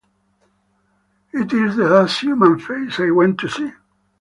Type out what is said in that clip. It is the last human face I want to see.